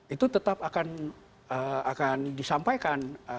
itu tetap akan disampaikan